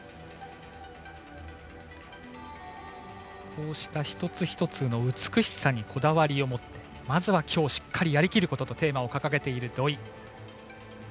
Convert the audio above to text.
こうした一つ一つの美しさにこだわりを持ってまず今日しっかりやりきることとテーマを掲げている土井。